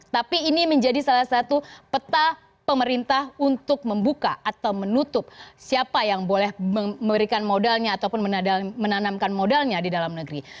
tapi ini menjadi salah satu peta pemerintah untuk membuka atau menutup siapa yang boleh memberikan modalnya ataupun menanamkan modalnya di dalam negeri